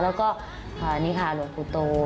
แล้วก็นี่ค่ะหลวงปู่โต